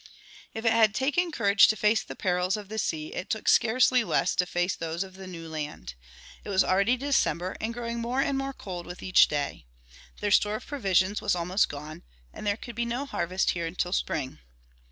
If it had taken courage to face the perils of the sea it took scarcely less to face those of the new land. It was already December and growing more and more cold with each day. Their store of provisions was almost gone, and there could be no harvest here until spring.